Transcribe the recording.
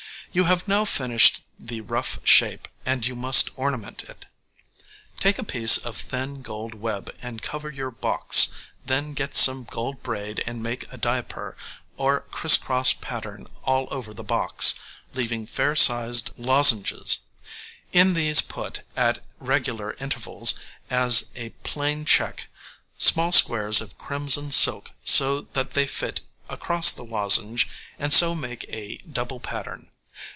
You have now finished the rough shape, and you must ornament it. Take a piece of thin gold web and cover your box, then get some gold braid and make a diaper or criss cross pattern all over the box, leaving fair sized lozenges; in these put, at regular intervals as a plain check, small squares of crimson silk so that they fit across the lozenge and so make a double pattern.